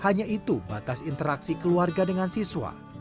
hanya itu batas interaksi keluarga dengan siswa